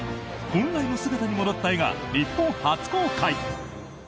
本来の姿に戻った絵が日本初公開！